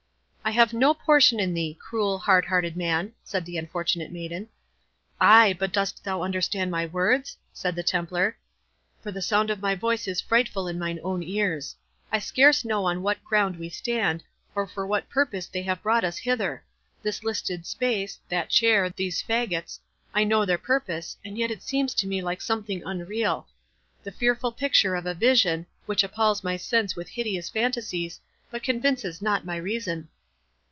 "I have no portion in thee, cruel, hard hearted man," said the unfortunate maiden. "Ay, but dost thou understand my words?" said the Templar; "for the sound of my voice is frightful in mine own ears. I scarce know on what ground we stand, or for what purpose they have brought us hither.—This listed space—that chair—these faggots—I know their purpose, and yet it appears to me like something unreal—the fearful picture of a vision, which appals my sense with hideous fantasies, but convinces not my reason."